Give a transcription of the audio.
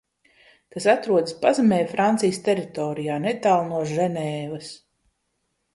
Tas atrodas pazemē Francijas teritorijā, netālu no Ženēvas.